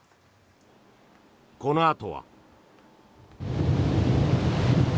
このあとは。